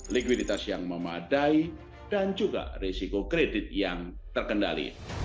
likuiditas yang memadai dan juga risiko kredit yang terkendali